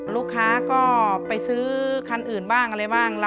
ลูกค้าก็ไปซื้อคันอื่นบ้างอะไรบ้าง